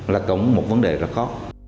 là tổng một vấn đề rất khó